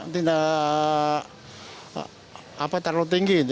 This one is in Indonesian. tidak terlalu tinggi